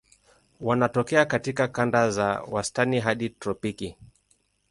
Wanatokea katika kanda za wastani hadi tropiki.